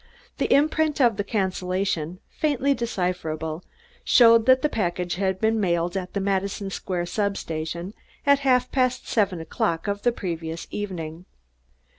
The imprint of the cancellation, faintly decipherable, showed that the package had been mailed at the Madison Square substation at half past seven o'clock of the previous evening.